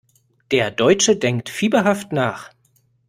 Der Deutsche denkt fieberhaft nach.